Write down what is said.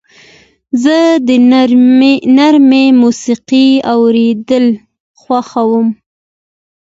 زه د نرمې موسیقۍ اورېدل خوښوم.